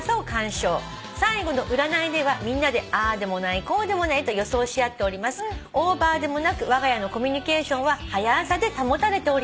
最後の占いではみんなでああでもないこうでもないと予想し合っております」「オーバーでもなくわが家のコミュニケーションは『はや朝』で保たれております。